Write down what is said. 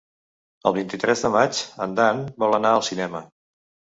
El vint-i-tres de maig en Dan vol anar al cinema.